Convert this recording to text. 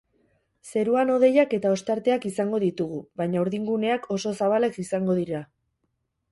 Zeruan hodeiak eta ostarteak izango ditugu, baina urdinguneak oso zabalak izango dira.